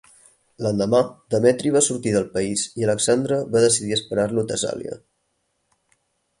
L'endemà Demetri va sortir del país i Alexandre va decidir esperar-lo a Tessàlia.